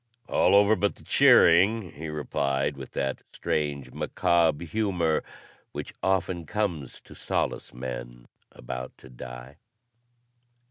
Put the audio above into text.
"All over but the cheering," he replied with that strange, macabre humor which often comes to solace men about to die.